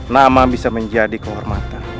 nama bisa menjadi kehormatan